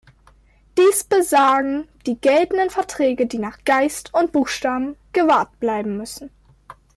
Dies besagen die geltenden Verträge, die nach Geist und Buchstaben gewahrt bleiben müssen.